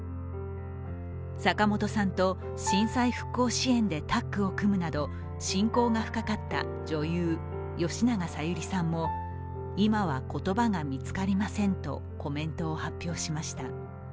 坂本さんと震災復興支援でタッグを組むなど親交が深かった女優・吉永小百合さんも、今は言葉が見つかりませんとコメントを発表しました。